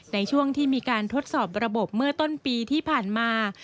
ในช่วงที่มีการทดสอบระบบเมื่อต้นปีที่ผ่านมา